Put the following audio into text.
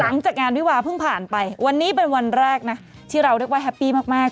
หลังจากงานวิวาเพิ่งผ่านไปวันนี้เป็นวันแรกนะที่เราเรียกว่าแฮปปี้มาก